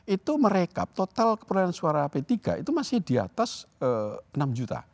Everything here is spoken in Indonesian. itu merekap total keperluan suara p tiga itu masih di atas enam juta